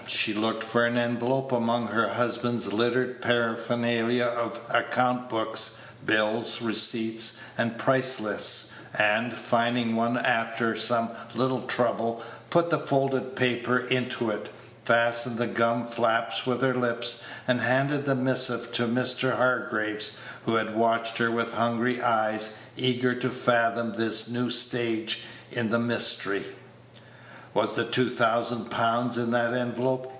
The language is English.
She looked for an envelope among her husband's littered paraphernalia of account books, bills, receipts, and price lists, and, finding one after some little trouble, put the folded paper into it, fastened the gummed flaps with her lips, and handed the missive to Mr. Hargraves, who had watched her with hungry eyes, eager to fathom this new stage in the mystery. Was the two thousand pounds in that envelope?